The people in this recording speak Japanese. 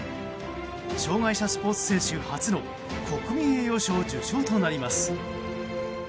障害者スポーツ選手初の国民栄誉賞受賞となります。